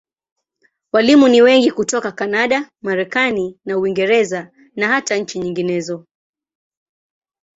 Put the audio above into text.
Walimu ni wengi hutoka Kanada, Marekani na Uingereza, na hata nchi nyinginezo.